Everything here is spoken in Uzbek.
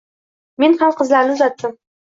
Men ham qizlarni uzatdim